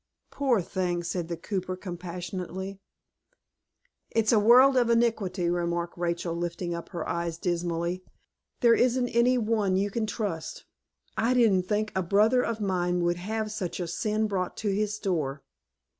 "Poor thing!" said the cooper, compassionately. "It's a world of iniquity!" remarked Rachel, lifting up her eyes, dismally. "There isn't any one you can trust. I didn't think a brother of mine would have such a sin brought to his door."